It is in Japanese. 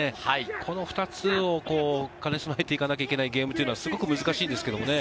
この２つを兼ね備えていかなきゃいけないゲームというのは難しいですけどね。